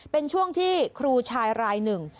เป็นช่วงที่ครูชายรายหนึ่ง